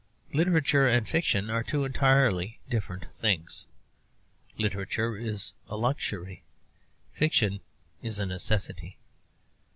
Literature and fiction are two entirely different things. Literature is a luxury; fiction is a necessity.